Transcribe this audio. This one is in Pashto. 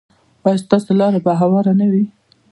ایا ستاسو لاره به هواره نه وي؟